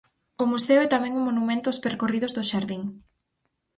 O museo é tamén un monumento aos percorridos do xardín.